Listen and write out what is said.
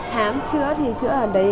khám chữa thì chữa ở đấy